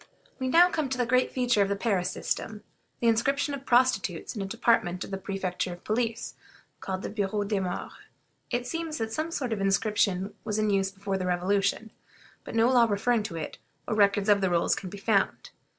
We now come to the great feature of the Paris system: the inscription of prostitutes in a department of the Prefecture of Police, called the Bureau des Moeurs. It seems that some sort of inscription was in use before the Revolution, but no law referring to it, or records of the rolls, can be found.